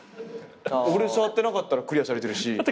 俺触ってなかったらクリアされてるし。